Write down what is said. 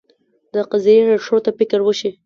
د قضیې ریښو ته فکر وشي.